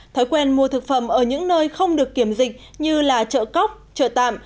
thói quen mua thực phẩm ở những nơi không được kiểm dịch như là chợ cóc chợ tạm